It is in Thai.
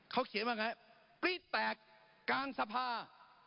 เขาเขียนว่าไงปรี๊ดแตกกลางสภา